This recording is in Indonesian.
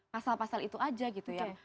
pasal pasal itu aja gitu yang